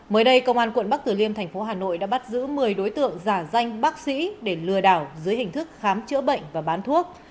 mới đây công an quận bắc tử liêm thành phố hà nội đã bắt giữ một mươi đối tượng giả danh bác sĩ để lừa đảo dưới hình thức khám chữa bệnh và bán thuốc